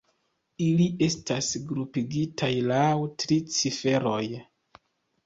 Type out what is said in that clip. Ili estas grupigitaj laŭ tri ciferoj.